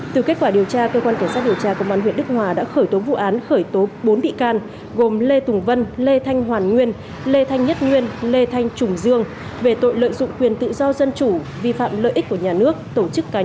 từ kết quả điều tra cơ quan cảnh sát điều tra công an huyện đức hòa đã khởi tố vụ án khởi tố bốn bị can gồm lê tùng vân lê thanh hoàn nguyên lê thanh nhất nguyên lê thanh trùng dương về tội lợi dụng quyền tự do dân chủ vi phạm lợi ích của nhà nước tổ chức cá nhân